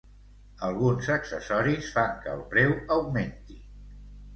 Alguns accessoris fan que el preu augmenti.